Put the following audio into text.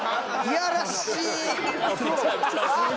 やらしい！